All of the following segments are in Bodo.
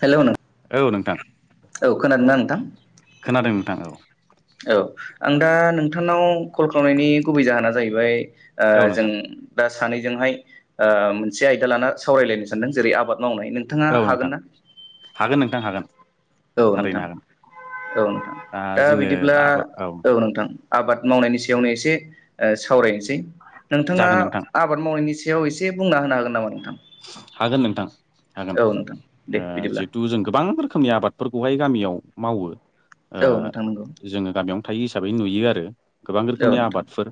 हेल औ नोंथां औ खोनादोंना नोंथां खोनादों नोंथाङ औ औ आं दा नोंथांनाव कल खालामनायनि गुबै जाहोना जाहैबाय ओ औ जों नोंथां दा सानैजोंहाय ओ मोनसे आयदा लाना सावरायलायनो सानदों जेरै आबाद मावनाय नोंथाङा औ नोंथां हागोन ना हागोन नोंथां हागोन औ थारैनो नोंथां हागोन औ नोंथां दा बिदिब्ला औ नोंथां आबाद ओं मावनायनि सायावनो एसे ओ सावरायनोसै नोंथाङा जागोन नोंथां आबाद मावनायनि याव एसे बुंना होनो हागोन नामा नोंथां हागोन नोंथां हागोन औ नोंथां दे ओ बिदिब्ला जिहेथु जों गोबां रोखोमनि आबाद फोरखौहाय गामियाव मावो ओ औ नोंथां नंगौ जोङो गामियावनो थायो हिसाबै नुयो आरो गोबां औ रोखोमनि नोंथां आबादफोर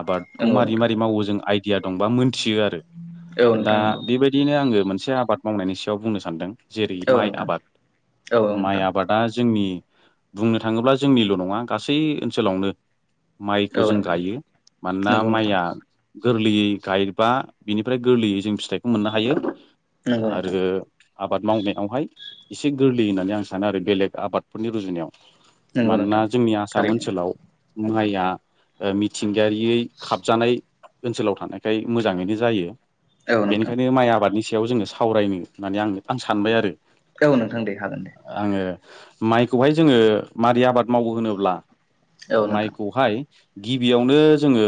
आबादखौ नंगौ मा नोंथां ओ जों आयदिया दंबा मोनथियो आरो औ दा नोंथां नंगौ बे बायदिनो आङो मोन से आबाद मावनायनि सायाव बुंनो सानदों जेरै औ माइ नोंथां आबाद औ माइ नोंथां आबादा जोंनि बुंनो थाङोब्ला जोंनिल नङा गासै ओनसोलावनो माइखौ औ जों नोंथां गायो मानोना नंगौ नोंथां माइआ [inaudible] नंगौ नोंथां [unintelligible] आबाद मावनायावहाय एसे गोरलै होननानै आं सानो आरो बेलेग आबादफोरनि रुजुनायाव नंगौ मानोना नोंथां जोंनि आसाम थारैनो ओनसोलाव माइया ओ मिथिंगायारियै खाबजानाय ओनसोलाव थानायखाय मोजाङैनो जायो औ नोंथां बेनिखायनो माइ आबादनि सि याव जोङो सावरायनो औ नोंथां दे हागोन दे आङो माइखौहाय जोङो मारै आबाद माव औ नोंथां गिबियावनो जोङो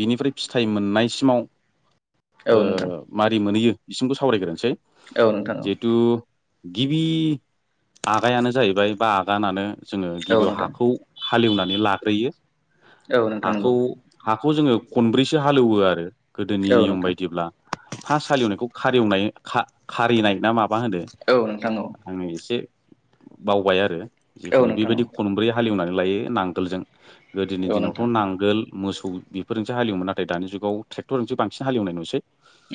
बिनिफ्राय फिथाइ मोननायसिमाव औ ओ नोंथां मारै मोनहैयो बिसि औ गिबि औ नोंथां हालेवनानै लाग्रोयो औ नोंथांमो हाखौ नंगौ। हाखौ जोङो खनब्रैसो हालेवो आरो औ नोंथां खारिवनाय खा खा औ नोंथां औ बावबाय औ नोंथां औ गो नोंथां फोरोंसो हालएवोमोन नाथाय दानि जुग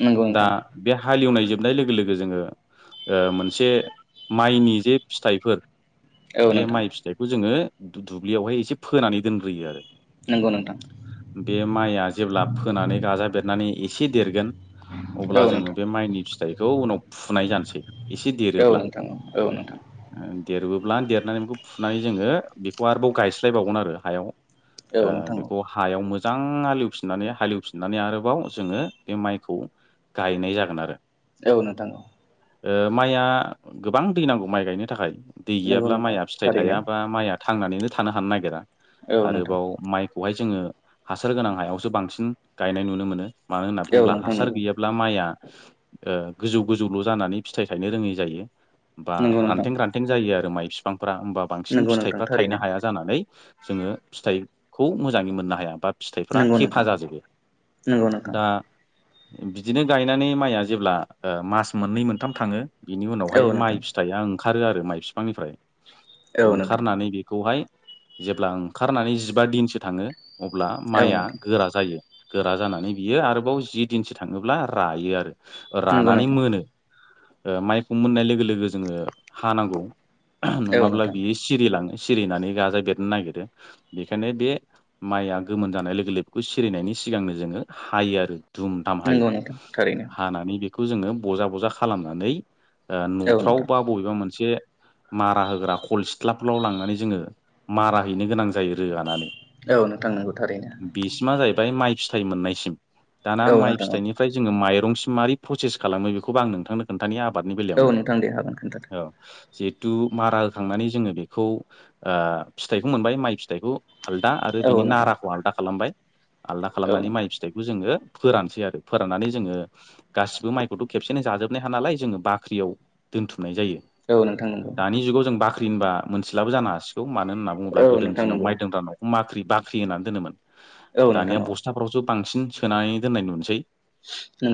नंगौ नोंथां जोबनाय लोगो लोगो जोङो औ बे नोंथां माइ नंगौ नोंथां बे माइया जेब्ला फोनानै गाजा बेरनानै ए अब्ला औ नोंथां औ जोङो नोंथां बे ओ औ नोंथां औ नोंथां औ देरबोब्ला देरनानै बेखौ फुनानै ओ औ बेखौ हायाव मो जां हालेवफिननानै हालेवफिननानै आरोबाव जोङो बे माइखौ गायनाय जागोन आरो औ नोंथां औ। ओ माइया गोबां दै नांगौ माइ गायनो थाखाय दै नंगौ गैयाब्ला नोंथां माइआ फिथाइ थारैनो थायाबा माइआ थांनानैनो थानो हानो नागिरा औ नोंथां आरोबाव माइखौहाय जोङो हासार गोनां हायावसो बांसिन गायनाय नुनो मोनो मानो होनना औ बुङोब्ला नोंथां हासार नंगौ गैयाब्ला माइआ ओ गोजौ गोजौल' जानानै फिथाइ थायनो रोङै जायो। बा नंगौ नोंथां रानथें रानथें जायो आरो माइ बिफांफ्रा होमबा बांसिन नंगौ नोंथां फिथाइफ्रा थायनो थारैनो हाया जानानै जोङो फिथाइखौ मोजाङै मोननो हाया। बा फिथाइफ्रा नंगौ थेफा नोंथां जाजोबो नंगौ नोंथां दा बिदिनो गायनानै माइया जेब्ला ओ मास मोननै मोनथाम थाङो। बिनि औ उनावहाय नोंथां माइ फिथाइया ओंखारो आरो माइ बिफांनिफ्राय औ नोंथां ओंखारनानै बेखौहाय जेब्ला ओंखारनानै जिबा दिनसो थाङो अब्ला औ माइया नोंथां गोरा जायो। गोरा जानानै बियो आरोबाव जि दिनसो थाङोब्ला रायो आरो नंगौ रानानै नोंथां मोनो। ओ माइखौ मोननाय लोगो लोगो जोङो हा नांगौ। औ नङाब्ला नोंथां बियो सिरिलाङो सिरिनानै गाजा बेरनो नागिरो बेखायनो बे माइआ गोमोन जानाय लोगो लोगोखौ सिरिनायनि सिगांनो जोङो हायो आरो धुम दाम हायो नंगौ नोंथां थारैनो हानानै बे खौ जोङो बजा बजा खालामनानै औ न'फ्राव नोंथां बा बबेबा मोनसे मारा होग्रा खल सिथ्लाफोरलाव लांनानै जोङो मारा हैनो गोनां जायो रोगानानै। औ नोंथां नंगौ थारैनो ओफाय माइ फिथाइ मोननायसिम दाना औ माइ नोंथां औ फिथाइ निफ्राय जों माइरं सि मारै प्रसेस खालामो बेखौबो आं नोंथांनो खोन्थानाय आबादनि औ बेलायावनो नोंथां दे हागोन खोन्थादो औ। जिहेथु मारा होखांनानै जोङो बेखौ ओ फिथाइखौ मोनबाय माइ फिथाइखौ हालद दा आरो औ बिनि नोंथां नाराखौ आलदा खालामबाय आलदा औ खालामनानै माइ नोंथां फिथाइखौ जोङो फोरानसै आरो फोराननानै जोङो गासिबो माइखौथ' खेबसेनो जाजोबनो हाया नालाय जोङो बाख्रियाव दोनथुम थुमनाय जायो औ नोंथां नंगौ दानि जुगाव जों बाख्रि होनबा मोनसेलाबो जानो हसिग खौ मानो होन्ना बुङोब्ला औ गोदो नोंथां दिनाव नंगौ मायदों रान नावखौ माख्रि बाख्रि होनानै दोनोमोन। औ नोंथां दानिया औ बस्थाफ्रावसो बांसिन सोनानै दोननाय नुनोसै।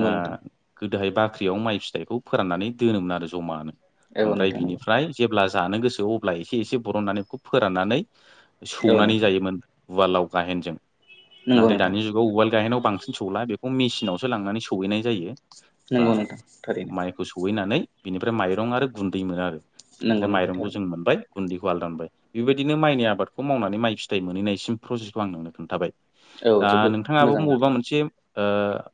ओ नोंंथा। गोदोहाय बाख्रियाव माइ फिथाइखौ फोराननानै दोनोमोन आरो जमानो औ ओमफ्राय नोंथां नंगौ बिनिफ्राय जेब्ला जानो गोसो अब्ला एसे एसे बरननानै बे फोराननानै औ सौनानै नोंथां जायो। मोन उवाल गाहेन जों नंगौ नाथाय नोंथां दानि जुगाव उवाल गाहेनाव बांसिन सौला‌ बे मेसिनावसो लांनानै सहैनाय जायो बा नंगौ नोंथां थारैनो माइखौ सहैनानै बेनिफ्राय माइरं आरो गुन्दै मोनो आरो नंगौ बेनिफ्राय नोंथां माइरंखौ थारैनो जों मोनबाय। गुन्दैखौ आलदा मोनबाय बेबायदिनो माइनि आबादखौ मावनानै माइ फिथाइ मोनहैनायसिम प्रजेक्टखौ आं नोंनो खोन्थाबाय। औ दा जोबोद नोंथाङाबो मोजां नोंथां बबेबा मोनसे ओ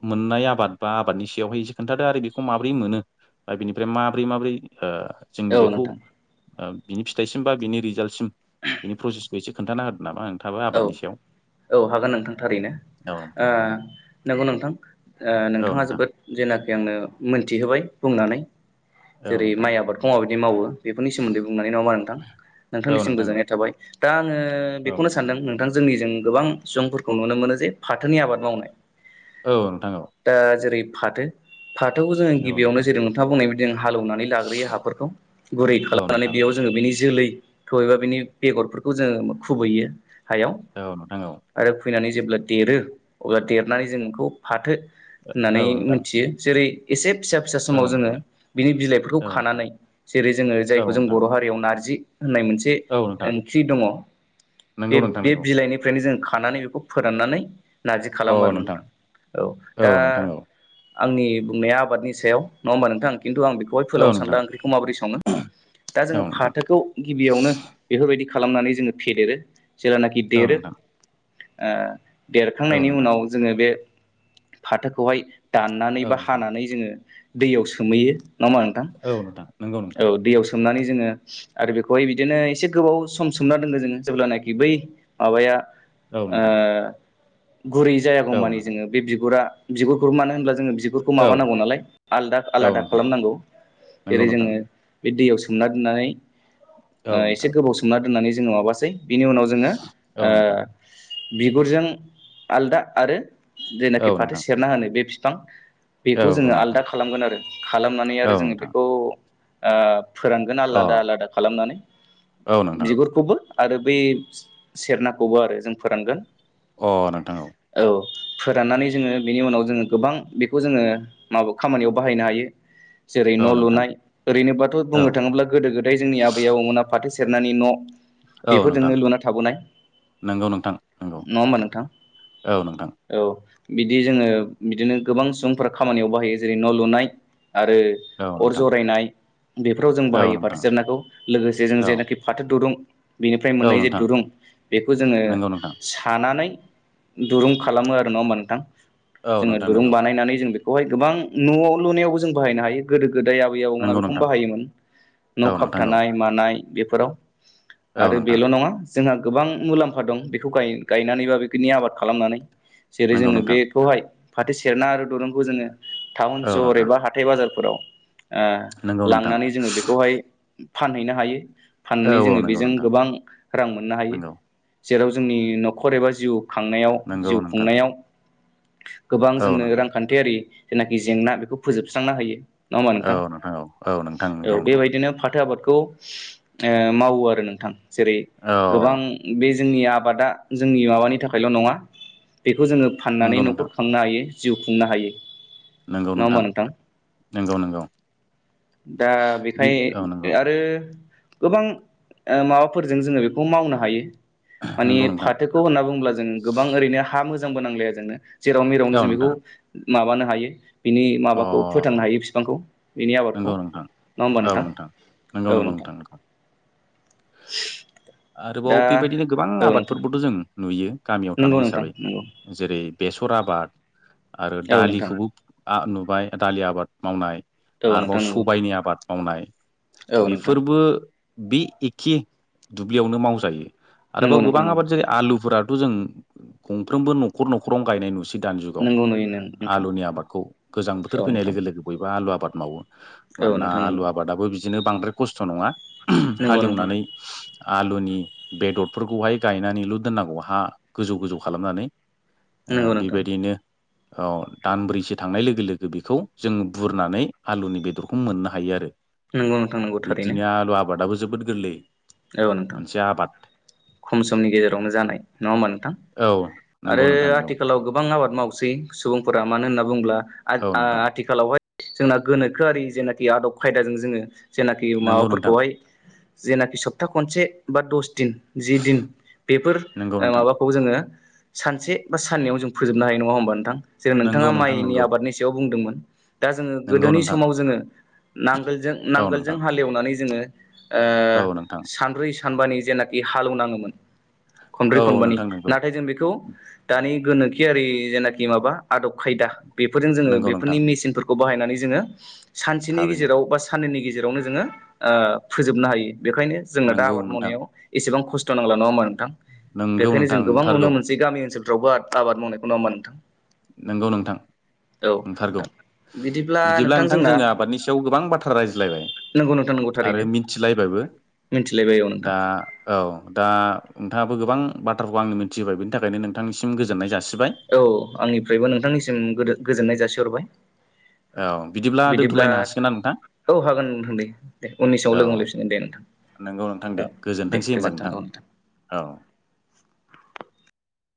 मोननाय आबाद बा आबादनि सायावहाय एसे खोन्थादो आरो बेखौ माबोरै मोनो। दा बिनिफ्राय माबोरै माबोरै ओ जों औ बेखौ ओ नोंथां बिनि फिथाइसिम बा बिनि रिजाल्टसिम बिनि प्रसेस एसे खोनथाना होदो नामा नोंथाङाबो औ आबादनि सायाव? औ हागोन नोंथां थारैनो औ ओ नंगौ नोंथां नोंथाङा नोंथां जोबोद जेनाखि आंनो मोनथिहोबाय बुं नानै औ जेरै नोंथां माइ आबादखौ माबायदि मावो बेफोरनि सोमोन्दै बुंनानै नङा ओमबा नोंथां औ नोंथांनिसिम नोंथां गोजोननाय थाबाय दा आङो बेखौनो सा नोंथां जोंनिजों गोबां सुबुंफोरखौ नुनो मोनो जे फाथोनि आबाद मावनाय औ नोंथां औ दा जेरै फाथो फाथोखौ जोङो गिबियावनो नोंथां जेरै नोंथाङा बुंनायबादि जों हालेवनानै लाग्रोयो हाफोरखौ गुरै औ खालामनानै नोंथां बेयाव जोङो बेनि जोलै [unintelligible] बिनि बेगरफोरखौ जोङो खुबैयो हायाव औ नोंथां औ। [unintelligible] जेब्ला देरो अब्ला देरनानै जों बेखौ फाथो। होननानै औ नोंथां मोनथियो जेरै एसे फिसा फिसा औ समाव जोङो नोंथां औ नोंथां बिनि बिलाइफोरखौ खानानै जेरै जोङो औ नोंथां जायखौ औ जों नोंथां बर' हारियाव नारजि होननाय मोनसे औ नोंथां ओंख्रि दङ बे नंगौ नोंथां बे नंगौ बिलाइनिफ्रायनो जों खानानै बेखौ फोराननानै नारजि खालामो आरो नोंथां औ दा नोंथां औ आंनि बुंनाया आबादनि सायाव नङा होमबा नोंथां किन्तु आं बेखौहाय औ फोलावनो सानला नोंथां ओंख्रिखौ माबोरै सङो दा जोङो औ नोंथां फाथोखौ गिबियावनो बेफोरबायदि खालामनानै जोङो फेदेरो जेलानाखि औ देरो नोंथां ओ औ देरखांनायनि नोंथां उनाव जोङो बे फाथोखौहाय दाननानै औ बा नोंथां हानानै जोङो दैयाव सोमैयो नङा ओमबा नोंथां औ नोंथां नंगौ औ नोंथां दैयाव सो [unintelligible] जोङो आरो बेखौहाय बिदिनो एसे गोबाव सम सोमना दोनो जोङो जेब्लानाखि [unintelligible] बै माबाया औ ओ नोंथां गुरै जायागौ औ मानि नोंथां जोङो बे बिगुरा बिगुरखौ मानो होनब्ला बिगुरखौ औ माबानांगौ नालाय आलदा- औ आलादा नोंथां खालामनांगौ नंगौ जेरै नोंथां जोङो बे दैयाव सोमना दोननानै ओ औ एसे नोंथां गोबाव सोमना दोननानै जोङो माबासै बिनि उनाव जोङो औ नोंथां ओ बिगुरजों आलदा आरो औ जेनाखि फाथो नोंथां सेरना होनो बे बिफां औ बेखौ औ जोङो नोंथां आलदा खालामगोन आरो खालामनानै आरो औ जोङो नोंथां बेखौ ओ फोरानगोन अ आलादा- आलादा खालामनानै औ नोंथां बिगुरखौबो- आरो बै सेरनाखौबो आरो जों फोरानगोन अ नोंथां औ फोराननानै जोङो बेनि उनाव जोङो गोबां बेखौ जोङो खामानियाव बाहायनो हायो। जेरै औ न' नोंथां लुनाय ओरैनोबाथ' औ बुंनो थाङोब्ला गोदो - गोदाय जोंनि आबै - आबौमोना फाथो न' औ नोंथां बेफोरजोंनो लुना थाबोनाय नंगौ नोंथां नंगौ नङा ओमबा नोंथां औ नोंथां औ बिदि जोङो बिदिनो गोबां सुंफोरा खामानियाव बाहायो जेरै न' लुनाय। आरो औ अर नोंथां जरायनाय, बेफोराव जों औ बाहायो नोंथां फाथो सेरनाखौ लोगोसे जों औ जेनाखि फाथो दुरुं बेनिफ्राय औ मोननाय जे नोंथां दुरुं बेखौ जोङो नंगौ नोंथां सानानै। दुरुं खालामो आरो नङा ओमबा मबा औ नोंथां जोङो नोंथां दुरुं नंगौ बानायनानै जों बे गोबां न' लुनायावबो जों बाहायनो हायो गोदो गोदाय आबै -आबौमोना नंगौ बेखौनो नोंथां बाहायोमोन न' औ नोंथां औ खाबथानाय मानाय बेफोराव। औ आरो नोंथां बेल' नङा जोंहा गोबां मुलाम्फा दं बेखौ गाय गायनानै बा बेफोरनि आबाद खालामनानै। जेरै नंगौ जोङो नोंथां बेखौहाय फाथो सेरना आरो दरनखौ जोङो औ टाउन-सहर नोंथां एबा हाथाय- बाजारफोराव नंगौ ओ नोंथां लांनानै जोङो बेखौहाय फानहैनो हायो औ फाननानै औ जोङो नंगौ बेजों नोंथां गोबां रां मोननो हायो नंगौ जेराव जोंनि न'खर एबा जिउ खांनायाव नंगौ जिउ नोंथां खुंनायाव गोबां औ जोंनो नोंथां रांखान्थियारि जेनाखि जेंना बेखौ फोजोबस्रांनो हायो। नङा होमबा औ नोंथां औ औ नोंथां नंगौ औ नंगौ बेबायदिनो फाथो आबादखौ मावो आरो नोंथां जेरै औ गोबां बे जोंनि आबादा जोंनि माबानि थाखायल' नङा बेखौ जोङो फाननानै नंगौ नोंथां न'खर खांनो हायो। जिउ खुंनो हायो नंगौ नङा नोंथां होमबा नंगौ नंगौ। दा बि बेखाय औ नंगौ आरो गोबां माबाफोरजों जोङो बेखौ मावनो हायो। मानि नंगौ नोंथां फाथोखौ होनना बुङोब्ला जों गोबां ओरैनो हा मोजांबो नांलाया जोंनो जेराव मेरावनो औ जों बेखौ नोंथां माबानो हायो बिनि अ माबाखौ फोथांनो हायो बिफांखौ। बिनि आबादखौ नंगौ नोंथां नङा होमबा औ नोंथां नंगौ - नंगौ नोंथां। दा आरोबाव बेबायदिनो गोबां औ नोंथां आबादफोरबोथ' जों नुयो। गामियाव नंगौ थानाय नोंथां हिसाबै नंगौ जेरै बेसर आबाद आरो औ नोंथां दालिखौबो नुबाय दालि आबाद मावनाय औ आरोबाव नोंथां नंगौ सबायनि आबाद मावनाय औ नोंथां बेफोरबो बे एखे दुब्लियावनो मावजायो नंगौ आरोबाव नोंथां गोबां नंगौ आबाद जेरै आलुफोरा थ' जों गंफ्रोमामबो न'खर- न'खरावनो गायनाय नुसै। दानि जुगाव नंगौ नुयो नोंथां आलुनि आबादखौ गोजां बोथोर औ फैनाय नोंथां लोगो- लोगो बयबो आलु आबाद मावो। औ मानोना नोंथां आलु आबादाबो बिदिनो बांद्राय खस्थ' नङा नंगौ नंगौ नोंथां हालेवनानै आलुनि बेदरफोरखौहाय गायनानैल' दोननांगौ हा गोजौ गोजौ खालामनानै नंगौ नोंथां बेबायदिनो औ दानब्रैसो थांनाय लोगो लोगो - लोगो बेखौ जों बुरनानै आलुनि बेदरखौ मोननो हायो आरो नंगौ नोंथां नंगौ थारैनो बिदिनो आलु आबादाबो जोबोद गोरलै औ नोंथां मोनसे आबाद। खम समनि गेजेरावनो जानाय नङा होमबा नोंथां। औ नंगौ आरो नोंथां नंगौ आथिखालाव गोबां आबाद मावसै सुबुंफोरा मानो होनना बुंङोब्ला। औ नोंथां आथिखालावहाय जोंना गोनोखोआरि जेनाखि आदब खायदाजों जोङो। जेनाखि नंगौ नोंथां माबाफोरखौहाय जेनाखि सप्ता खनसे बा दस दिन जि दिन बेफोर नंगौ नोंथां माबाखौ जोङो सानसे बा साननैयाव जों फोजोबनो हायो नङा होमबा नोंथां जों नोंथाङा नंगौ नोंथां माइनि नंगौ आबादनि सायाव बुंदोंमोन दा जोङो नंगौ गोदोनि नोंथां समाव जोङो नांगोलजों औ नांगोलजों नोंथां हालेवनानै जोङो औ नोंथां। सानब्रै सानबानि जेनाखि हालौवनाङोमोन खनब्रै औ खनबानि नोंथां नंगौ नाथाय जों बेखौ दानि गोनोखिआरारि जेनाखि माबा आदब खायदा बेफोरजों जोङो नंगौ बेफोरनि नोंथां मेसिनफोरखौ बाहायनानै जोङो सानसेनि थाबैनो गेजेराव बा साननैनि गेजेराव गेजेरावनो जोङो फोोबनो हायो बेनिखायनो जोंनो दा नंगौ आबाद नोंथां मावनायाव एसेबां खस्थ' खस्थ' नंला नङा होनबा नोंथां नंगौ बेखायनो नोंथां जों गोबां नुनो नंथारगौ मोनसै गामि ओनसोलफ्रावबो आबाद मावनायखौ नङा‌ होनबा नोंथां। नंगौ नोंथां। औ नोंथारगौ नोंथां बिदिब्ला नोंथां जोङो आबादनि सायाव गोबां बाथ्रा रायज्लायबाय। नंगौ नोंथां नंगौ आरो थारैनो मिन्थिलायबाबो। मिथिलायबाय औ नोंथां दा औ दा नोंथाङाबो गोबां बाथ्राखौ आंनो मिथिहोबाय बेनि थाखायनो नोंथांनिसिम गोजोननाय जासि औ आंनिफ्रायबो नोंथांनिसिम गोजोननाय जासिहरबाय औ बिदिब्ला दोनथ'लायनो हासिगोनना नोंथां। औ हागोन नोंथां दे दे उननिसआव लोगो हलैफिगोन दे नोंथां। नोंगौ नोंथां औ दे दे गोजोनथोंसै होनबा गोजोन्थों औ नोंथां औ। [inaudible]